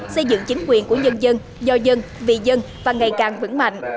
xây dựng chính quyền của nhân dân do dân vì dân và ngày càng vững mạnh